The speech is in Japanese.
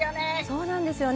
そうなんですよね。